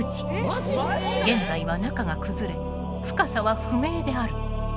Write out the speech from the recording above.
現在は中が崩れ深さは不明である。